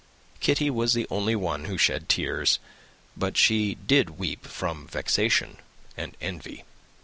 Kitty was the only one who shed tears; but she did weep from vexation and envy.